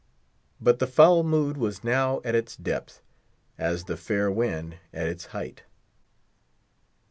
But the foul mood was now at its depth, as the fair wind at its height.